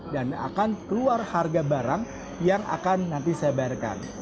dan akan keluar harga barang yang akan nanti saya bayarkan